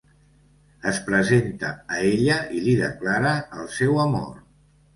Es presenta a ella i li declara el seu amor.